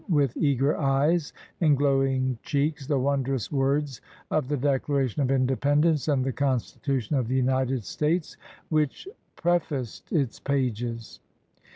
12 PROFESSIONAL ASPIRATIONS with eager eyes and glowing cheeks the wondrous words of the Declaration of Independence and the Constitution of the United States which pref aced its pages.